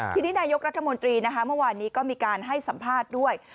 ทีนี้นายกรัฐมนตรีนะคะเมื่อวานนี้ก็มีการให้สัมภาษณ์ด้วย